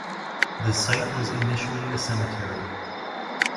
The site was initially a cemetery.